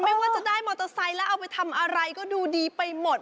ไม่ว่าจะได้มอเตอร์ไซค์แล้วเอาไปทำอะไรก็ดูดีไปหมด